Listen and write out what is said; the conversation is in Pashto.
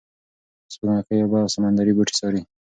سپوږمکۍ اوبه او سمندري بوټي څاري.